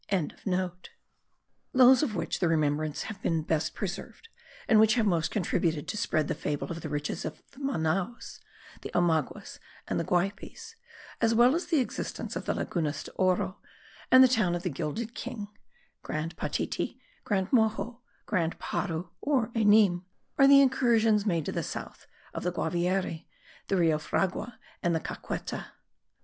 Those of which the remembrance have been best preserved, and which have most contributed to spread the fable of the riches of the Manaos, the Omaguas, and the Guaypes, as well as the existence of the lagunas de oro, and the town of the gilded king (Grand Patiti, Grand Moxo, Grand Paru, or Enim), are the incursions made to the south of the Guaviare, the Rio Fragua, and the Caqueta.